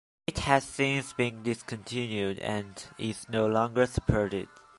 It has since been discontinued and is no longer supported.